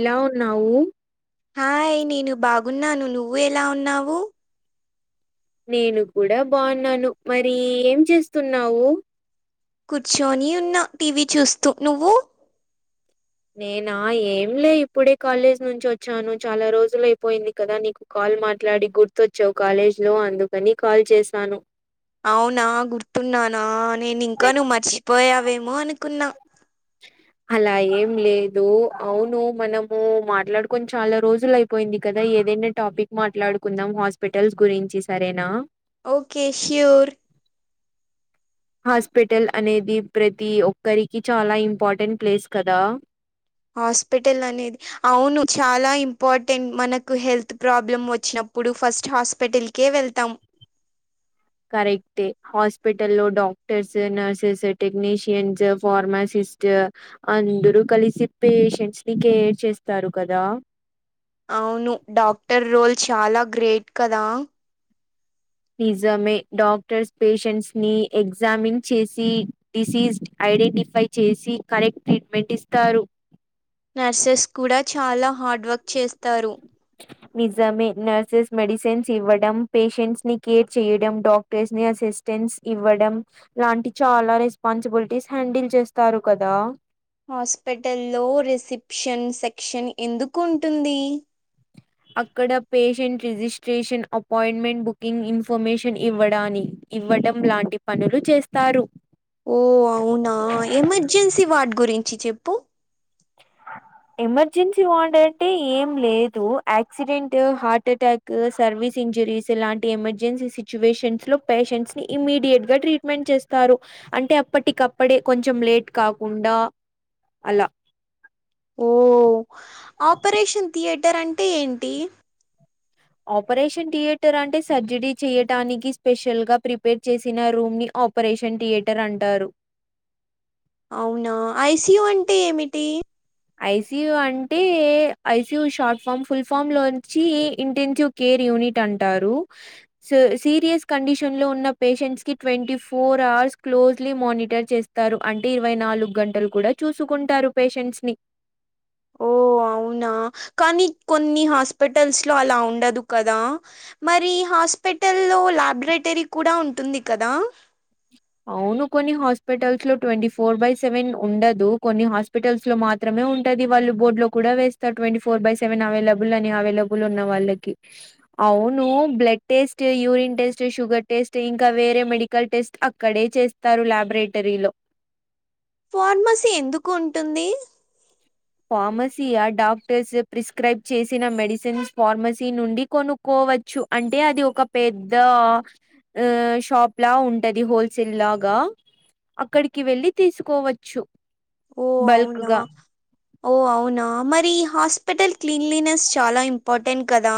ఎలా ఉన్నావు హాయ్ నేను బాగున్నాను నువ్వు ఎలా ఉన్నావు నేను కూడా బావున్నాను మరి ఏం చేస్తున్నావు కూర్చొని ఉన్న టీవీ చూస్తూ నువ్వు నేనా ఏం లే ఇప్పుడే కాలేజ్ నుంచొచ్చాను చాలా రోజులయిపోయింది కదా నీకు కాల్ మాట్లాడి గుర్తొచ్చావు కాలేజ్ లో అందుకని కాల్ చేసాను అవునా గుర్తున్నానా నేనింకా నువ్వు మర్చిపోయావేమో అనుకున్నా చ్హ్ అలా ఏం లేదు అవును మనము మాట్లాడుకొని చాలా రోజులు అయిపోయింది కదా ఏదైన టాపిక్ మాట్లాడుకుందాం హాస్పిటల్స్ గురించి సరేనా ఓకే ష్యూర్ హాస్పిటల్ అనేది ప్రతి ఒక్కరికి చాలా ఇంపార్టెంట్ ప్లేస్ కదా హాస్పిటల్ అనే అవును చాలా ఇంపార్టెంట్ మనకు హెల్త్ ప్రాబ్లమ్ వచ్చినప్పుడు ఫస్ట్ హాస్పిటల్ కేే వెళ్తాం కరెక్టే హాస్పిటల్ లో డాక్టర్స్ నర్సెస్ టెక్నీషియన్స్ ఫార్మాసిస్ట్ అందరూ కలిసి పేషెంట్స్ ని కేర్ చేస్తారు కదా అవును డాక్టర్ రోల్ చాలా గ్రేట్ కదా నిజమే డాక్టర్స్ పేషెంట్స్ ని ఎగ్జామిన్ చేసి డిసీజ్ ఐడెంటిఫై చేసి కరెక్ట్ ట్రీట్మెంట్ ఇస్తారు నర్సెస్ కూడా చాలా హార్డ్ వర్క్ చేస్తారు నిజమే నర్సెస్ మెడిసిన్స్ ఇవ్వడం పేషెంట్స్ ని కేర్ చేయడం డాక్టేర్స్ ని అసిస్టెంస్ ఇవ్వడం లాంటి చాలా రెస్పాన్సిబిలిటీస్ హ్యాండిల్ చేస్తారు కదా హాస్పిటల్లో రిసెప్షన్ సెక్షన్ ఎందుకు ఉంటుంది అక్కడ patient registration appointment booking information ఇవ్వడానికి ఇవ్వడం లాంటి పనులు చేస్తారు ఓ అవునా ఎమర్జెన్సీ వార్డ్ గురించి చెప్పు ఎమర్జెన్సీ వాడ్ అంటే ఏం లేదు యాక్సిడెంట్ హార్ట్ అటాక్ కు సర్వీస్ ఇంజురీస్ ఇలాంటి ఎమర్జెన్సీ సిచ్యువేషన్స్ లో పేషెంట్స్ ని ఇమీడియట్ గా ట్రీట్ మెంట్ చేస్తారు అంటే అప్పటికప్పుడే కొంచెం లేట్ కాకుండా అలా ఓ ఆపరేషన్ థియేటర్ అంటే ఏంటి ఆపరేషన్ థియేటర్ అంటే సర్జరీ చేయటానికి స్పెషల్ గా ప్రిపేర్ చేసిన రూమ్ని ఆప్ పరేషన్ థియేటర్ అంటారు అవునా ఐసియూ అంటే ఏమిటి ఐసియూ అంటే ICU short form full form లోంచి ఇంటెన్సివ్ కేర్ యూనిట్ అంటారు స సీరియస్ కండిషన్లో ఉన్న పేషెంట్స్కి twenty four hours closely monitor చేస్త స్తరు అంటే ఇరవై నాలుగు గంటలు కూడా చూసుకుంటారు పేషెంట్స్ ని ఓ అవునా కానీ కొన్ని హాస్పిటల్స్ లో అలా ఉండదు కదా మరి హాస్పిటల్లో ల్యాబరేటరీ కూడా ఉంటుంది కదా అవును కొన్ని హాస్పిటల్స్ లో ట్వంటీ ఫోర్ బై సెవెన్ ఉండదు కొన్ని హస్ హాస్పిటల్స్ లో మాత్రేమే ఉంటంది. వాళ్ళు బోర్డులో కూడా వేస్తారు twenty four by seven available అని అవేలబల్ లు ఉన్న వాళ్ళకి అవును blood test, urine test, sugar test ఇంకా వేరే మెడికల్ టెస్ట్ ఇక్కడే చేస్తారు లబెరేటరీలో ఫార్మసీ ఎందుకు ఉంటుంది ఫార్మసియా డాక్టర్స్ ప్రిస్క్రైబ్ చేసిన మెడిసిన్స్ ఫార్మసీ నుండి కొను కోవచ్చు అంటే అది ఒక పెద్ద ఓ షాప్ లా ఉంటది హోల్సేల్ లాగా అక్కడికి వెళ్లి తీసుకోవచ్చు ఓ బల్క్ గా అవునా ఓ అవునా మరి హాస్పిటల్ క్లీన్లీనెస్ చాలా ఇంపార్టెంట్ కదా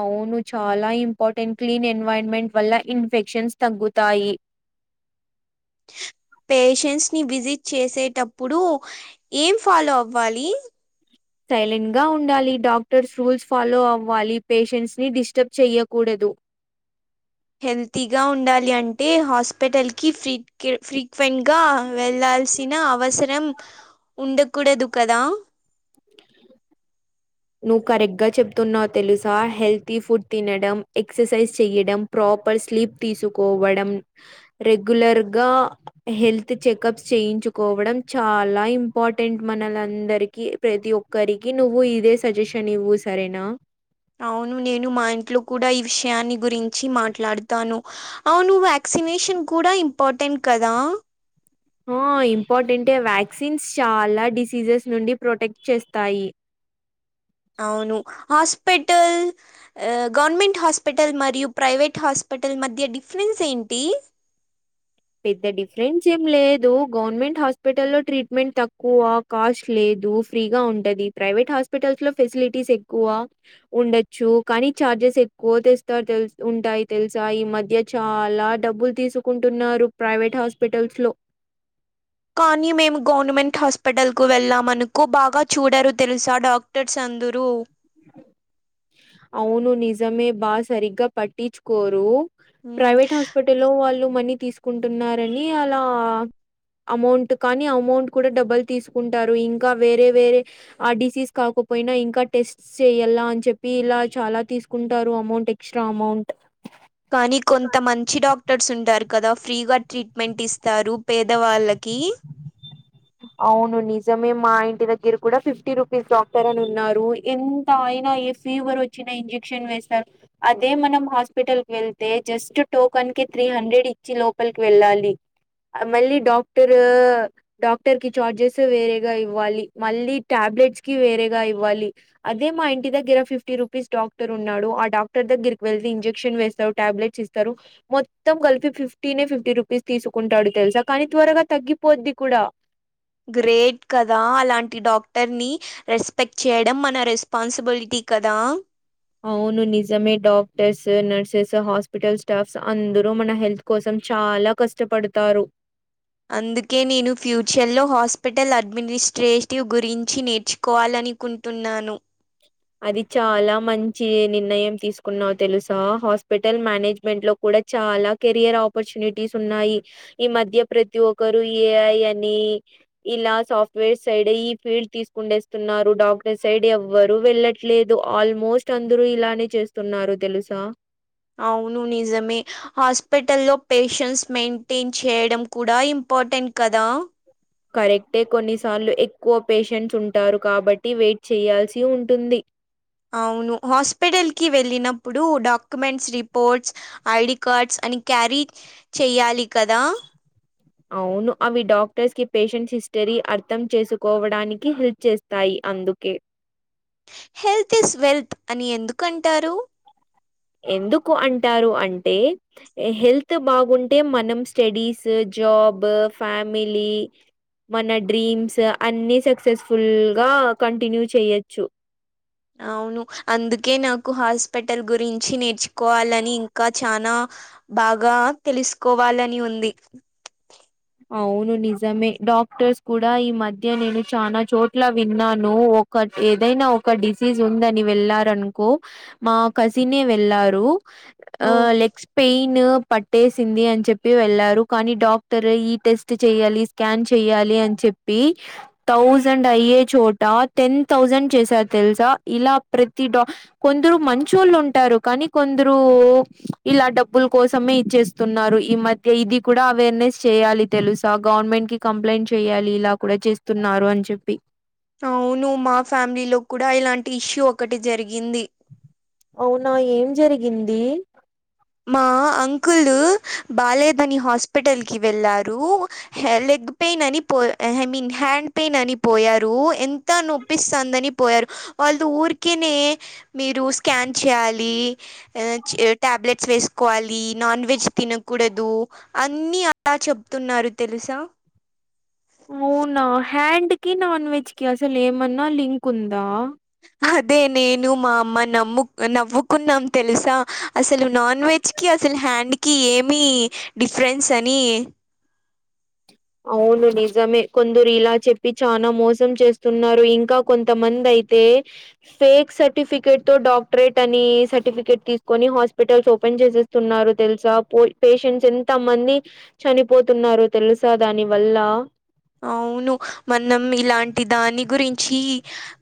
అవును చాలా ఇంపార్టెంట్ క్లీన్ ఎన్వైరన్మెంట్ వల్ల ఇన్ఫెక్షన్స్ తగ్గుతాయి పేషెంట్స్ని విజిట్ చేసేటప్పుడు ఏం ఫాలో అవ్వాలి సైలెంట్గా ఉండాలి డాక్టర్స్ రూల్స్ ఫాలో అవ్వాలి పేషెంట్స్ని డిస్టర్బ్ చెయ్యకూడదు హెల్తీగా ఉండాలి అంటే హాస్పిటల్కి ఫ్రీ కే ఫ్రీ ఫ్రెండ్గా వెళ్లాల్సిన అవసరం ఉండకూడదు కదా నువ్వు కరెక్ట్గా చెప్తున్నావు తెలుసా హెల్తీ ఫుడ్ తినడం ఎక్సర్సైజ్ చెయడం ప్రాపర్ స్లీప్ తీసుకోవడం రెగ్యులర్గా హెల్త్ చెకప్స్ చేయించుకోవడం చాలా ఇంపార్టెంట్ మనలందరికి ప్రతి ఒక్కరికి నువ్వు ఇదే సజెషన్ ఇవ్వు సరేనా అవును నేను మా ఇంట్లో కూడా ఈ విషయాన్ని గురించి మాట్లాడుతాను అవును వ్యాక్సినేషన్ కూడా ఇంపార్టెంట్ కదా అ ఇంపార్టెంంటే వ్యాక్సిన్స్ చాలా డిసీజెస్ నుండి ప్రొటెక్ట్ చేస్తాయి అవును హాస్పిటల్ అ గవర్నమెంట్ హాస్పిటల్ మరియు ప్రైవేట్ హాస్పిటల్ మధ్య డిఫరెన్స్ ఏంటి పెద్ద డిఫరెన్స్ ఏం లేదు గవర్నమెంట్ హాస్పిటల్లో ట్రీట్మెంట్ తక్కువ కాస్ట్ లేదు ఫ్రీగా ఉంటది ప్రైవేట్ హాస్పిటల్స్లో ఫెసిలిటీస్ ఎక్కువ ఉండొచ్చు కానీ చార్జెస్ ఎక్కువ తెస్తారు తెలు ఉంటాయి తెలుసా ఈ మధ్య చాలా డబ్బులు తీసుకుంటున్నారు ప్రైవేట్ హాస్పిటల్స్ లో కానీ మేము గవర్నమెంట్ హాస్పిటల్కు వెళ్ళామనుకో బాగా చూడరు తెలుసా డాక్టర్స్ అందరూ అవును నిజమే బా సరిగా పట్టిచ్చుకోరు ప్రైవేట్ హాస్పిటల్ ట్టలో వాళ్ళు మనీ తీసుకుంటున్నారని అలా అమౌంట్ కానీ అమౌంట్ కూడా డబ్బల్ తీసుకుంటారు ఇంకా వేరే వేరే ఆ డిసీజ్ కాకపోయినా ఇంకా టెస్ట్ చెయ్యాల అని చెప్పి పి ఇలా చాలా తీసుకుంటారు అమౌంట్ ఎక్స్ట్రా అమౌంట్ కానీ కొంతమంద్ మంచి డాక్టర్స్ ఉంటారు కదా ఫ్రీగా ట్రీట్మెంట్ ఇస్తారు పేదవాళ్ళకి అవును నిజమే మా ఇంటి దగ్గర కూడా ఫిఫ్టీ రూపీస్ డాక్టర్ అని ఉన్నారు ఎంత అయినా ఏ ఫీవర్ వచ్చినా ఇంజెక్షన్ వేస్తారు అదే మనం హాస్పిటల్ కి వెళ్తే జస్ట్ టోకన్ కి త్రీ హండ్రెడ్ ఇచ్చి లోపలికి వెళ్ళాలి మళ్ళీ డాక్టరు డాక్టర్ కి చార్జెస్ వేరేగా ఇవ్వాలి మళ్ళీ టాబ్లెట్స్ కి వేరేగా ఇవ్వాలి అదే మా ఇంటి దగ్గర ఫిఫ్టీ రూపీస్ డాక్టర్ ఉన్నాడు ఆ డాక్టర్ దగిరికి వెళ్ళి ఇంజెక్షన్ వేస్తాడు టాబ్లెట్స్ ఇస్తారు మొత్తం కలిఫీ ఫిఫ్టీనేే ఫిఫ్టీ రూపీస్ తీసుకుంటాడు తెలుసా కానీ త్వరగా తగ్గిపోద్ది కూడా గ్రేట్ కదా అలాంటి డాక్టర్ ని రెస్పెక్ట్ చేయడం మన రెస్పాన్సిబిలిటీ కదా అవును నిజమే డాక్టర్స్ నర్సెస్ హాస్పిటల్ స్టాఫ్స్ అందరూ మన హెల్త్ కోసం చాలా కష్టపడతారు అందుకే నేను ఫ్యూచర్లో హాస్పిటల్ అడ్మినిస్ట్రేటివ్ గురించి నేర్చుకోవాలని కుంటున్నాను అది చాలా మంచి నిర్ణయం తీసుకున్నావు తెలుసా హాస్పిటల్ మేనేజ్మెంట్ లో కూడా చాలా కెరియర్ ఆపర్చునిటీస్ ఉన్నాయి ఈ మధ్య ప్రతి ఒక్కరు ఏఐ అని ఇలా సాఫ్ట్వేర్ సైడ్ ఈ ఫీల్డ్ తీసుకుండేస్తున్నారు డాక్టర్ సైడ్ ఎవ్వరు ఎ వెళ్ళట్లేదు ఆల్మోస్ట్ అందరూ ఇలానే చేస్తున్నారు తెలుసా అవును నిజమే హాస్పిటల్లో పేషెన్స్ మెయింటైన్ చేయడం కూడా ఇంపార్టెంట్ కదా కరెక్టే కొన్నిసార్లు ఎక్కువ పేషెంట్స్ ఉంటారు కాబట్టి వెయిట్ చేయయాల్సి ఉంటుంది అవును హాస్పిటల్ కి వెళ్ళినప్పుడు డాక్యుమెంట్స్ రిపోర్ట్స్ ఐడి కార్డ్స్ అని క్యారీ చెయ్యాలి కదా అవును అవి డాక్టర్స్ కి పేషెంట్స్ హిస్టరీ అర్థం చేసుకోవడానికి హెల్ప్ చేస్త తాయి అందుకే హెల్త్ ఇస్ వెల్త్ అని ఎందుకంటారు ఎందుకు అంటారు అంటే హెల్త్ బాగుంటే మనం స్టడీస్ జాబ్ ఫ్యామిలీ మన డ్రీమ్స్ అన్ని సక్సెస్ఫుల్ గా కంటిన్యూ చెయొచ్చు అవును అందుకే నాకు హాస్పిటల్ గురించి నేర్చుకోవాలని ఇంకా చనా బాగా తెలుసుకోవాలని ఉంది అవును నిజమే డాక్టర్స్ కూడా ఈ మధ్య నేను చానా చోట్ల విన్నాను ఒక ఏదైనా ఒక డిసీజ్ ఉందని వెళ్లారనుకో మా కసిన్ వెళ్ళారు ఆ ఓ లెగ్స్ పెయిన్ పట్టేసింది అని చెప్పి వెళ్లారు కానీ డాక్టర్ ఈ టెస్ట్ చెయాలి స్కాన్ చెయ్యాలి అని చెప్పి థౌసండ్ అయ్యే చోట టెన్ థౌసండ్ చేసారు తెలుసా ఇలా ప్రతి డాక్ కొందరు మంచోళ్ళు ఉంటారు కానీ కొందరు ఇలా డబ్బుల కోసమే ఇచ్చేస్త తున్నారు ఈ మధ్య ఇది కూడా అవేర్నెస్ చేయాలి తెలుసా గవర్నమెంట్ కి కంప్లైంట్ చెయాలి ఇలా కూడా చేస్తున్నారు అని చెప్పి అవును మా ఫ్యామిలీ లో కూడా ఇలాంటి ఇష్యూ ఒకటి జరిగింది అవునా ఏం జరిగింది మా అంకులు బాలేదని హాస్పిటల్కి వెళ్ళారు హ లెగ్ పెయిన్ అని పో ఐ మీన్ హ్యాండ్ పెయిన్ అని పోయారు ఎన్ త నొప్పిస్తందని పోయారు వాళ్ళు ఊరికనే మీరు స్కాన్ చేయాలి ఏల్ చ్ టాబ్లెట్ ట్స్ వేసుకోవాలి నాన్ వెజ్ తినకూడదు అన్ని అలా చెప్తున్నారు తెలుసా అవునా హ్యాండ్ కి నాన్ వెజ్ కి అసలు ఏమన్నా లింక్ ఉందా అదే నేను మా అమ్మ నమ్ము నవ్వుకున్నాం తెలుసా అసలు నాన్ వెజ్ కి అసలు హ్యాండ్ కి ఏమి డిఫరెన్స్ అని అవును నిజమే కొందరు ఇలా చెప్పి చానా మోసం చేస్తున్నారు ఇంకా కొంతమంది అయి తే ఫేక్ సర్టిఫికెట్ తో డాక్టరేట్ అని సర్టిఫికెట్ తీసుకొని హాస్పిటల్స్ ఓపెన్ చేసే తున్నారు తెలుసా పేషెంట్స్ ఎంత మంది చనిపోతున్నారు తెలు సా దాని వల్ల అవును మనం ఇలాంటి దాని గురించి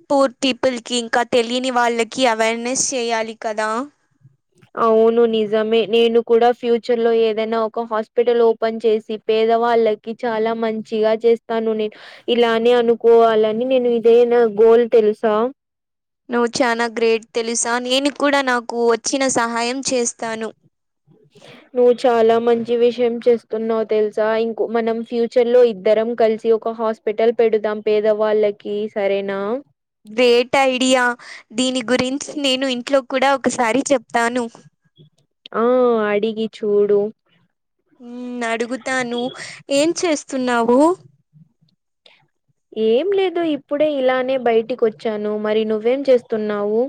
పూర్ పీపుల్ కి ఇంకా తెలియని వాళ్ళకి అవేర్నెస్ చెయాలి కదా అవును నిజమే నేను కూడా ఫ్యూచర్ లో ఏదైనా ఒక హాస్పిటల్ ఓపెన్ చేసి పేదవాళ్ళ చాలా మంచిగా చేస్తాను నే ఇలానే అనుకోవాలని నేను ఇదేనా గోల్ తెలుసా నువ్ చానా గ్రేట్ తెలుసా నేను కూడా నాకు వచ్చిన సహాయం చేస్తాను అ నువ్ చాలా మంచి విషయం చేస్తున్నావ్ తెలుసా ఇంకో మనం ఫ్యూచర్ లో ఇద్దరం కలిసి ఒక హాస్ పెటల్ పెడుదాం పేదవాళ్ళకి సరేనా గ్రేట్ ఐడియా దీని గురించి నేను ఇంట్లో కూడా ఒకసారి చెప్తాను ఆ అడిగి చూడు ఉ అడుగుతాను ఏం చేస్తున్నావు ఏం లేదు ఇప్పుడే ఇలానే బయటికి వచ్చాను మరి నువ్వేం చేస్తున్నావు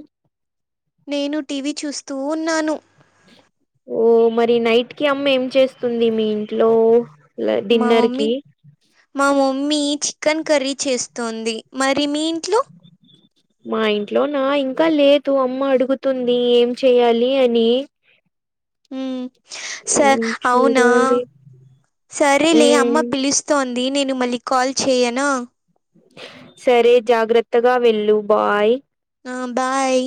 నేను టీవీ చూస్తూ ఉన్నాను ఓ మరి నైట్ కి అమ్మ ఏం చేస్తుంది మీ ఇంట్లో మా డిన్నర్ మమ్మీ కి మా మమ్మీ చికెన్ కర్రీ చేస్తోంది మరి మీ ఇంట్లో మా ఇంట్లో నా ఇంకా లేదు అమ్మ అడుగుతుంది ఏం చెయ్యాలి అని మ్మ్ ఉ స అవునా చూడాలి సరేలే ఉమ్, అమ్మ పిలుస్తోంది నేను మళ్ళీ కాల్ చేయనా సరే జాగ్రత్తగా వెళ్ళు బాయ్ ఆ బాయ్